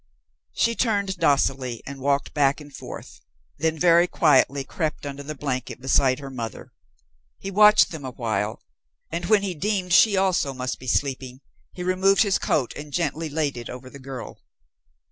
She turned docilely and walked back and forth, then very quietly crept under the blanket beside her mother. He watched them a while, and when he deemed she also must be sleeping, he removed his coat and gently laid it over the girl.